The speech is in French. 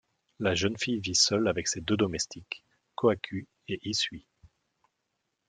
La jeune fille vit seule avec ses deux domestiques, Kohaku et Hisui.